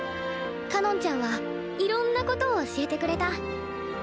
かのんちゃんはいろんなことを教えてくれた。